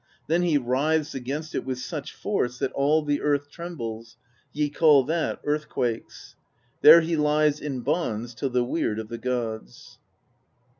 Then he writhes against it with such force that all the earth trembles: ye call that 'earthquakes.' There he lies in bonds till the Weird of the Gods."